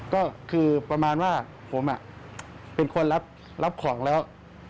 ก็คือประมาณว่าผมเป็นคนรับของแล้ว